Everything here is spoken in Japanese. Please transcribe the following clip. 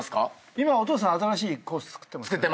今お父さん新しいコース造ってますよね。